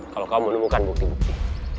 kalau kamu menemukan bukti bukti